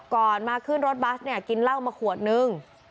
มาขึ้นรถบัสเนี่ยกินเหล้ามาขวดนึง